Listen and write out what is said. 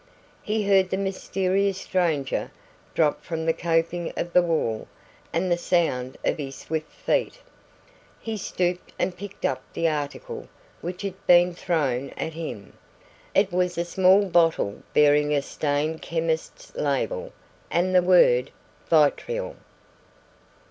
He heard the mysterious stranger drop from the coping of the wall and the sound of his swift feet. He stooped and picked up the article which had been thrown at him. It was a small bottle bearing a stained chemist's label and the word "Vitriol."